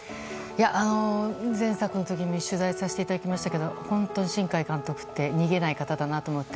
前作の時に取材しましたが本当に新海監督って逃げない方だなと思って。